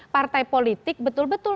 partai politik betul betul